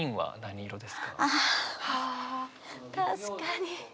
あ確かに。